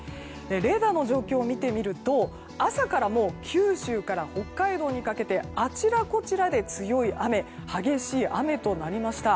レーダーの状況を見てみると朝からもう九州から北海道にかけあちらこちらで強い雨激しい雨となりました。